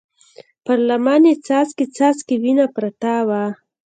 پر لمن يې څاڅکي څاڅکې وينه پرته وه.